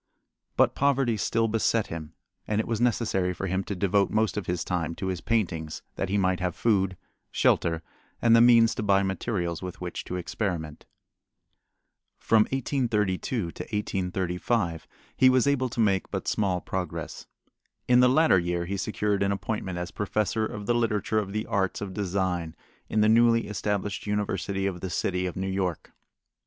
But poverty still beset him and it was necessary for him to devote most of his time to his paintings, that he might have food, shelter, and the means to buy materials with which to experiment. From 1832 to 1835 he was able to make but small progress. In the latter year he secured an appointment as professor of the literature of the arts of design in the newly established University of the City of New York.